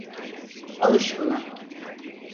Alış buna.